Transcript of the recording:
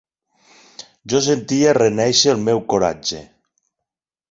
Jo sentia renéixer el meu coratge.